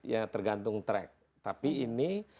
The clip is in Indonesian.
ya tergantung track tapi ini